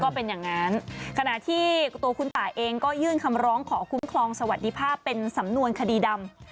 เป็นอย่างนั้นขณะที่ตัวคุณตายเองก็ยื่นคำร้องขอคุ้มครองสวัสดิภาพเป็นสำนวนคดีดำ